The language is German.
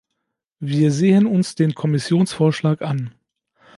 Wir sehen uns den Kommissionsvorschlag an.